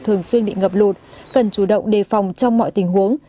thường xuyên bị ngập lụt cần chủ động đề phòng trong mọi tình huống